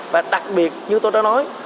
và đặc biệt như tôi đã nói